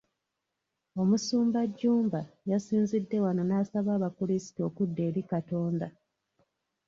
Omusumba Jjumba yasinzidde wano n’asaba abakulisitu okudda eri Katonda.